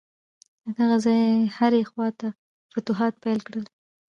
له دغه ځایه یې هرې خواته فتوحات پیل کړل.